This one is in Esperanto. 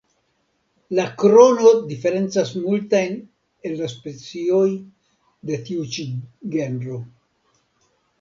La krono diferencas multajn el la specioj de tiu ĉi genro.